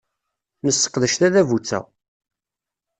Nesseqdec tadabut-a.